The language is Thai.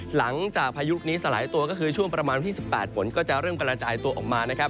หลังจากพายุลูกนี้สลายตัวก็คือช่วงประมาณวันที่๑๘ฝนก็จะเริ่มกระจายตัวออกมานะครับ